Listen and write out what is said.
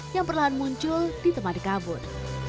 yang perlahan muncul di tempat dikabut